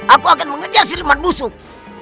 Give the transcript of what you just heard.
aku akan mengejar si lemah musuh